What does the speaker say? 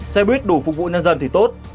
xe buýt đủ phục vụ nhân dân thì tốt